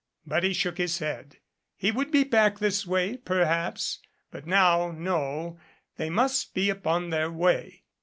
But he shook his head. He would be back this way, perhaps but now no they must be upon their way.